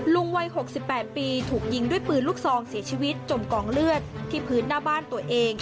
วัย๖๘ปีถูกยิงด้วยปืนลูกซองเสียชีวิตจมกองเลือดที่พื้นหน้าบ้านตัวเอง